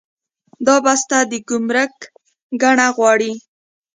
دا بسته د ګمرک ګڼه غواړي.